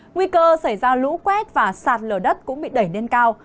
nguy cơ xảy ra lũ quét và sạt lở đất cũng bị đẩy lên cao